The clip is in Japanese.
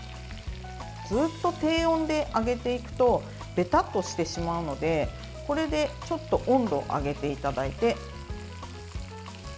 ずっと低温で揚げていくとべたっとしてしまうのでこれでちょっと温度を上げていただいて。